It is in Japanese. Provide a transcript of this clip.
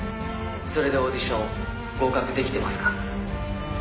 それでオーディション合格できてますか？